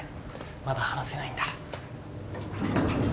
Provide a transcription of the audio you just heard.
まだ話せないんだ。